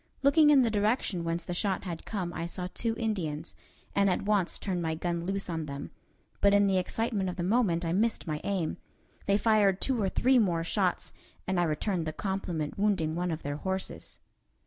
Looking in the direction whence the shot had come I saw two Indians, and at once turned my gun loose on them, but in the excitement of the moment I missed my aim. They fired two or three more shots, and I returned the compliment, wounding one of their horses.